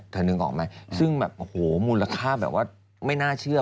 เธอนึกออกไหมซึ่งมูลค่าแบบว่าไม่น่าเชื่อ